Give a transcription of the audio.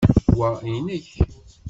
Wa inek.